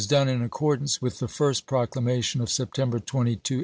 done in accordance with the first proclamation of Septem ber 22, 1862.